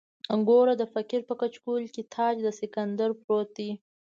ګوره د فقیر په کچکول کې تاج د سکندر پروت دی.